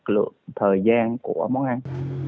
chất lượng thời gian của món ăn